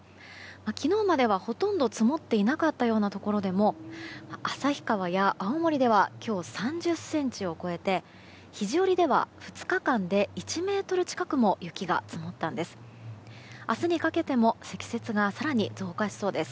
昨日までは、ほとんど積もっていなかったようなところでも旭川や青森では今日３０ｃｍを超えて肘折では２日間で１ｍ近くも雪が積もったんです。